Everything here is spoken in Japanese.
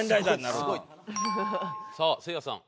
さあせいやさん